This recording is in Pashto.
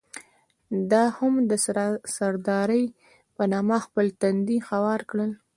ده هم د سردارۍ په نامه خپل تندی هوار کړ.